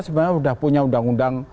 sebenarnya sudah punya undang undang